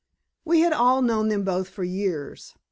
We had all known them both for years.